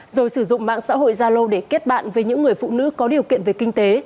rồi sử dụng mạng xã hội zalo để kết bạn với những người phụ nữ có điều kiện về kinh tế